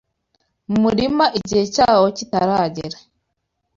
mu murima igihe cyawo kitaragera